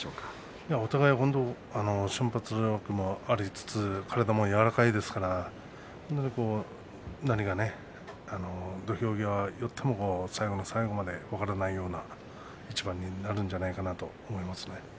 お互い瞬発力もありつつ体も柔らかいですから土俵際寄っても最後の最後まで分からないような一番になるんじゃないかなと思いますね。